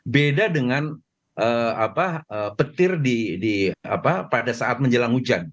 beda dengan petir pada saat menjelang hujan